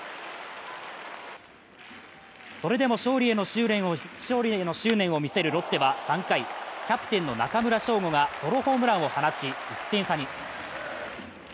それでも勝利への執念を見せるロッテは３回、キャプテンの中村奨吾がソロホームランを放ち１点差に。